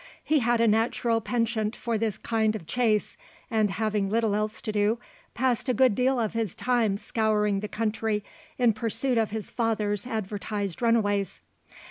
He had a natural penchant for this kind of chase; and, having little else to do, passed a good deal of his time scouring the country in pursuit of his father's advertised runaways.